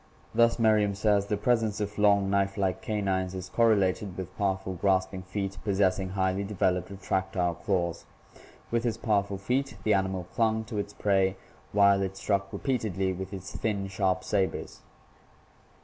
Thus Merriam says: "The presence of long, knife like canines is correlated with powerful grasping feet possessing highly developed retractile claws. With its powerful feet the animal climg to its prey while it struck repeatedly with its thin, sharp sabers."